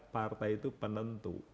partai itu penentu